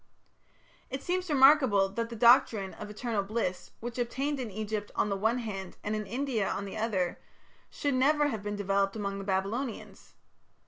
It seems remarkable that the doctrine of Eternal Bliss, which obtained in Egypt on the one hand and in India on the other, should never have been developed among the Babylonians.